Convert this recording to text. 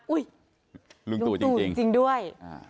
อุ๊ยรุ่งตู่จริงด้วย